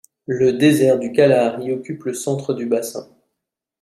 Le désert du Kalahari occupe le centre du bassin.